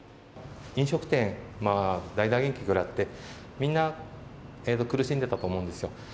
飲食店が大打撃を食らって、みんな苦しんでたと思うんですよ。